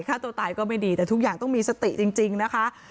ฆ่าตัวตายก็ไม่ดีแต่ทุกอย่างต้องมีสติจริงนะคะ